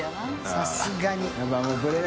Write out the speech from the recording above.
さすがに。